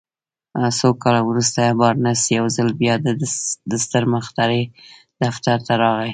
څو کاله وروسته بارنس يو ځل بيا د ستر مخترع دفتر ته راغی.